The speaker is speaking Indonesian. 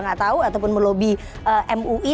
nggak tahu ataupun melobi mui